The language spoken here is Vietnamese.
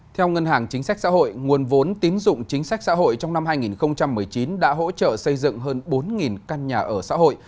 theo ngân hàng chính sách xã hội nguồn vốn tín dụng chính sách xã hội trong năm hai nghìn một mươi chín đã hỗ trợ xây dựng hơn bốn căn nhà ở xã hội